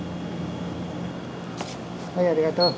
はいありがとう。